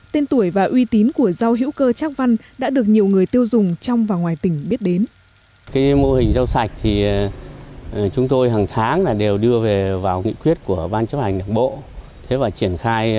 tên tuổi và uy tín của rau hữu cơ trác văn đã được nhiều người tiêu dùng trong và ngoài tỉnh biết đến